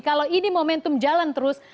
kalau ini momentum jalan terus